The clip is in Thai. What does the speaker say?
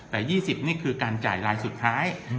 แต่ยี่สิบนี่คือการจ่ายลายสุดท้ายอืม